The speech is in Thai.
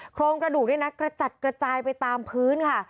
โครงกระดูกนี่นะกระจัดกระจายไปตามพื้นค่ะ